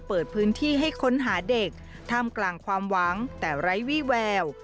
เปิดพื้นที่ให้ค้นหาเด็กท่ามกลางความหวังแต่ไร้วี่แวว